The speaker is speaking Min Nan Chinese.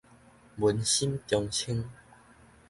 文心中清